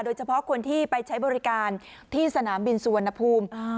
โดยเฉพาะคนที่ไปใช้บริการที่สนามบินสุวรรณภูมิ